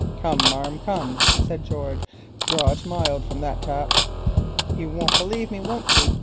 "Come, marm, come," said George, "draw it mild from that tap." "You won't believe me, won't you?"